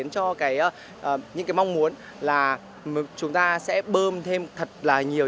chúng ta sẽ bơm thêm thật là nhiều